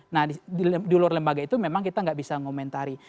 nah di luar lembaga itu memang kita nggak bisa ngomentari